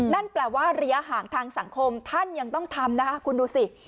นั่นแปลว่าระยะห่างทางสังคมท่านยังต้องทำนะคะคุณดูสิ